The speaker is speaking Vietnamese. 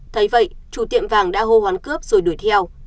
thấy vậy chủ tiệm vàng đã hô hoán cướp rồi đuổi theo